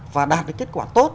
và đạt cái kết quả tốt